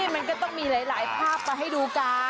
มันก็ต้องมีหลายภาพมาให้ดูกัน